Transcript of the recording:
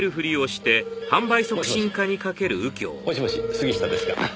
もしもし？もしもし杉下ですが。